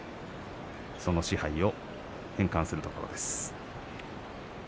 その賜盃を返還するところです。